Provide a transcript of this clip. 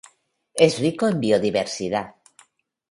Es rico en biodiversidad.